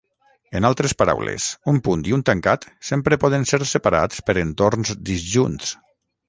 En altres paraules, un punt i un tancat sempre poden ser separats per entorns disjunts.